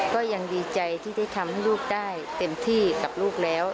ก็ยังดีใจที่ได้ทำให้ลูกได้เต็มที่กับลูกแล้ว